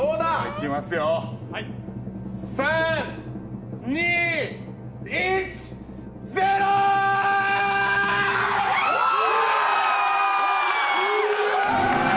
いきますよ、３・２・１、ゼロー！